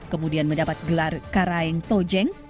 kemudian mendapat gelar karaeng tojeng